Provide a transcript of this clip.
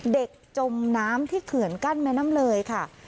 จมน้ำที่เขื่อนกั้นแม่น้ำเลยค่ะ